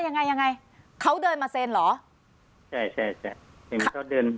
ยังไงยังไงเขาเดินมาเซ็นเหรอใช่ใช่ใช่เห็นเขาเดิน